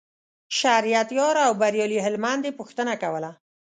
شریعت یار او بریالي هلمند یې پوښتنه کوله.